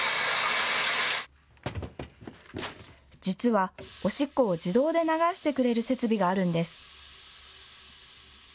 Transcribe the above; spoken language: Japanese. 実はおしっこを自動で流してくれる設備があるんです。